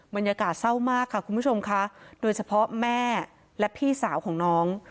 บรรยากาศเศร้ามากค่ะคุณผู้ชมค่ะโดยเฉพาะแม่และพี่สาวของน้อง